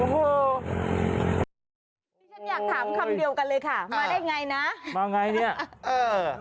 ฉันอยากถามคำเดียวกันเลยค่ะมาได้ไงน่ะมาไงเนี้ยเออ